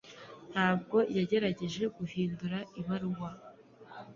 Ntabwo yagerageje guhindura ibaruwa.